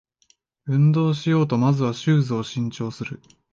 運動しようとまずはシューズを新調する